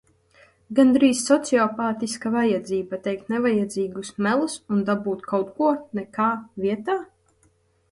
Gandrīz sociopātiska vajadzība teikt nevajadzīgus melus un dabūt kaut ko nekā vietā?